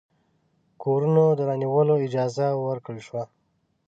کورونو د رانیولو اجازه ورکړه شوه.